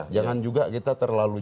jangan juga kita terlalu